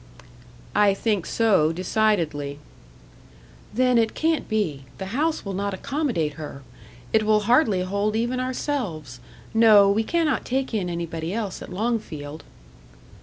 "I think so, decidedly." "Then it can't be. The house will not accommodate her. It will hardly hold even ourselves. No, we cannot take in anybody else at Longfield."